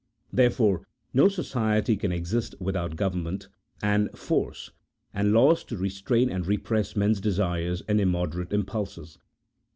Therefore, no society can exist without government, ancl force, and laws to restrain and repress men's desires and immoderate impulses.